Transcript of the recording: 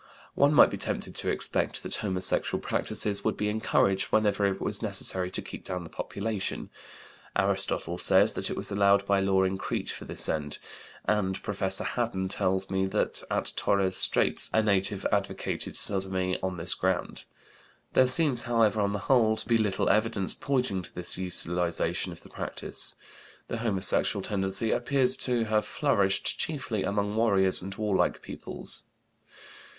One might be tempted to expect that homosexual practices would be encouraged whenever it was necessary to keep down the population. Aristotle says that it was allowed by law in Crete for this end. And Professor Haddon tells me that at Torres Straits a native advocated sodomy on this ground. There seems, however, on the whole, to be little evidence pointing to this utilization of the practice. The homosexual tendency appears to have flourished chiefly among warriors and warlike peoples.